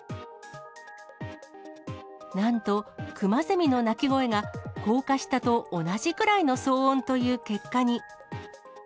なんとクマゼミの鳴き声が、高架下と同じくらいの騒音という結果に。